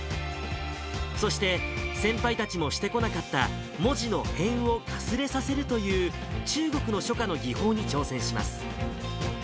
そして、先輩たちもしてこなかった文字のへんをかすれさせるという、中国の書家の技法に挑戦します。